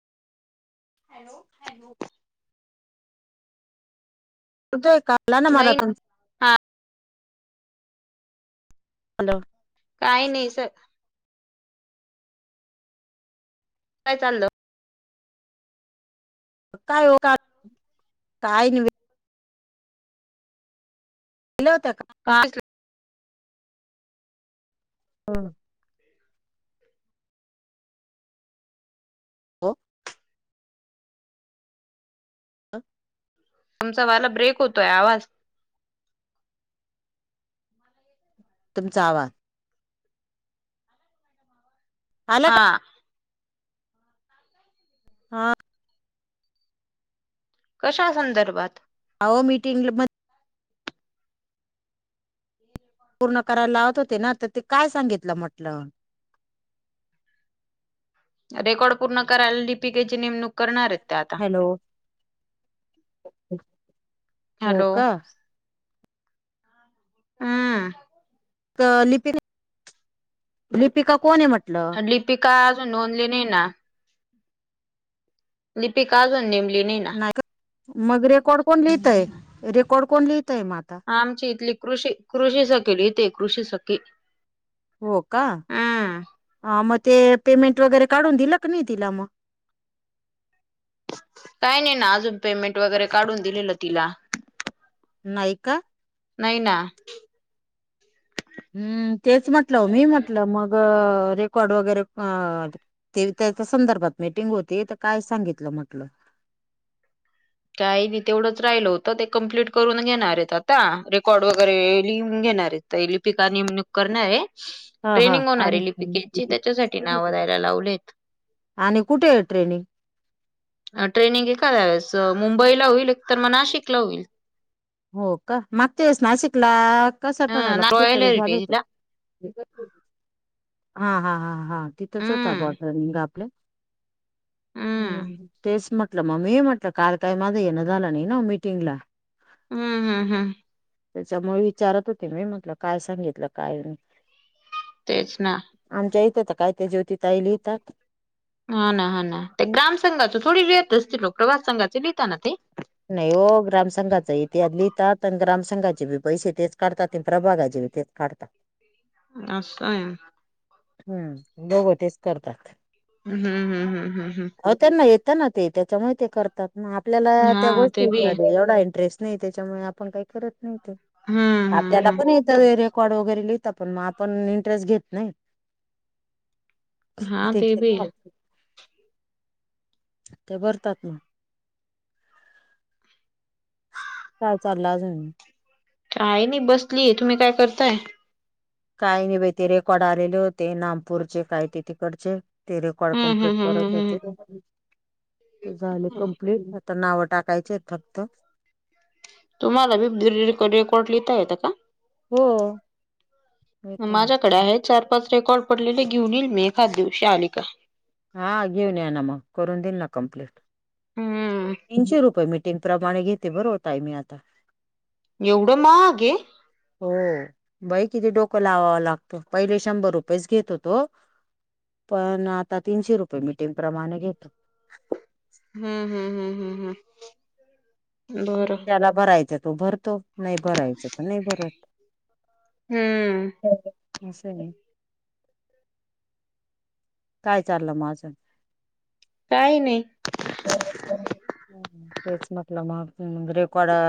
Hello hello नाही [inaudible] हा hello काही नाही स काय चाललं काय हो का काय गेलावता का काल हा हो आमचा वाला ब्रेक होतोय आवाज तुमचा आवााज आला का ह हा कशा संदर्भात आओ मीटिंगमध्ये पूर्ण करायला लावत होते ना, तर ते काय सांगितलं म्हटलं रेकॉर्ड पूर्ण करायला लिपिकेची नेमणू हॅलो हो हॅलो हम्म लिपिक, लिपिका कोण आहे म्हटलं? लिपिका अजून नोंदली नाही ना लिपिका अजून नेमली नाही. ना मग रेकॉर्ड कोण लिहितय रेकॉर्ड कोण लिहित आहे मग आता आमची इथली कृषी कृषी सकली तेे कृषी सखी हो का हम्म मग ते पेमेंट वगैरे काढून दिलं क नाही तिला मग? काही नाही ना अजून पेमेंट वगैरे काढून दिलेलं तिला नाय का नाही ना हम्म तेच म्हटलं मी म्हटलं मग रे कॉर्ड वगैरे ते त्याच्या संदर्भात मीटिंग होती तर काय सांगितलं म्हटलं काही नाही तेवढंच राहिल होतं ते कंप्लिट करून घेणार आहेत आता रेकॉर्ड वगैरे लिहून घेणार आहेत तर लिपिका नेमणूक करणार आहे हा हा. ट्रेनिंग आणि होणारे लिपिकेची त्याच्यासाठी नाव द्यायला लावलेत आणि कुठे आहे ट्रेनिंग ट्रेनिंग एखाद्याव्यास मुंबईला होईल तर मग नाशिकला होईल हो का मागच्या वेळेस नाशिकला कसा ह ठाण्याला रॉयल कुठेतरी झाले ते हेरिटेजला हा हा हा हा तिथंच होता हम्म बॉट रनिंग आपल्या हम् हम्म तेच म्हटलं म मी म्हंटलं काल काय माझं येणं झालं नाही ना मीटिंगला हम् हम् हम् त्याच्यामुळे विचारत होते मी म्हटलं काय सांगितलं काय नाही तेच ना आमच्या इथं तर काय ते ज्योती ताई लिहीतात हा ना हा ना ते ग्राम संघाची थोडी लिहीत असतील लोक वाचनाचे संघाचे लिहिताना ते नाही हो ग्रामसंघचा इ ते लिहात आणि ग्रामसंघाचे बी पैसे तेच काढतात ते प्रभागाचे बी तेच काढतात असं हाय हम्म दोघं तेच करतात हम्म हम्म हम्म हम्म हो त्यांना येतं ना ते त्याच्यामुळे ते करतात म आपल्याला हम्म त्या हा ते गोष्टी बी आहे. एवढा इंटरेस्ट नाही त्याच्यामुळे आपण काही करत नाही ते हम्म हम्म आपल्याला पण हम्म रेकॉर्ड वगैरे लिहता पण मग आपण इंटरेस्ट घेत नाही हा ठीक ते आहे बी चालतं त्या भरतात ना काय चालं अजून आहे नाही बसलीये तुम्ही काय करताय काय नाही बाई ते रेकॉर्ड आलेले होते नामपूरचे काय ते तिकडचे ते रेकॉर्ड हम्म कमप्लीट हम्म हम्म करत हम्म हम्म. होते ते झाले कंप्लिट आता नाव टाकायचे आहेत फक्त तुम्हाला बी रेकॉर्ट लिहिता येत का हो येत ना माझ्याकडे आहे चार पाच रेकॉर्ड पडलेले घेऊन येईल मी एखाद दिवशी आली का हा घेऊन या ना मग करून देईल ना कंप्लिट हम्म तीनशे रुपये मी टिंग प्रमाणे घेते बरं होत आहे मी आता एवढं महाग आहे हो बाई किती डोकं लावावं लागतं पहिले शंभर रुपयेच घेत होतो पण आता तीनशे रुपये मिटिंग प्रमाणे घेतो हम्म हम्म हम्म हम्म हम ज्याला भरायचं तो भरतो नाही भरायचं तो नाही भरत हम्म असं आहे काय चाललं म अजून काय नाही तेच म्हंटलं रेकॉर्ड